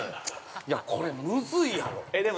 ◆いや、これ、ムズいやろ。